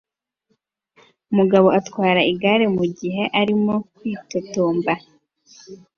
Umugabo atwara igare mugihe arimo kwitotomba